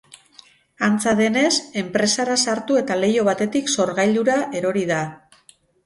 Antza denez, enpresara sartu eta leiho batetik sorgailura erori da.